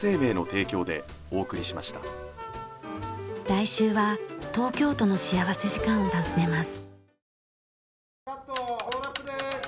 来週は東京都の幸福時間を訪ねます。